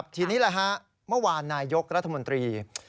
ทีนี้เมื่อวานนายยกรัฐมนตรี